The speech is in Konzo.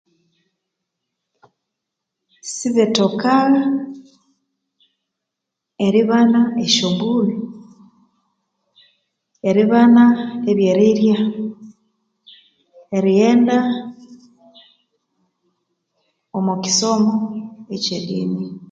Sibethoka Eribana esyobburi eribana ebyerirya erighenda omokisomo ekye imi